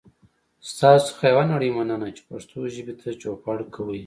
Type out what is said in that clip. ستاسو څخه یوه نړۍ مننه چې پښتو ژبې ته چوپړ کوئ.